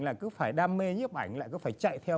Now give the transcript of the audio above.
là cứ phải đam mê nhiếp ảnh lại cứ phải chạy theo